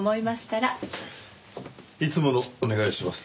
いつものお願いします。